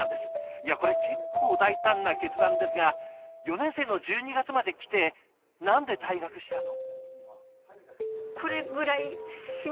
いやこれ結構大胆な決断ですが４年生の１２月まで来て何で退学したの？